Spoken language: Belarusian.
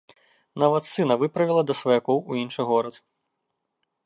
Нават сына выправіла да сваякоў у іншы горад.